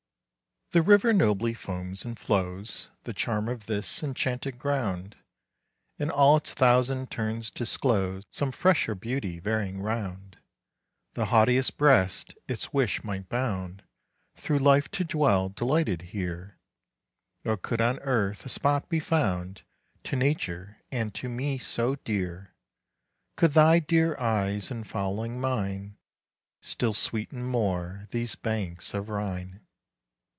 30 The river nobly foams and flows, The charm of this enchanted ground, And all its thousand turns disclose Some fresher beauty varying round: The haughtiest breast its wish might bound 35 Through life to dwell delighted here: Nor could on earth a spot be found To nature and to me so dear, Could thy dear eyes in following mine Still sweeten more these banks of Rhine!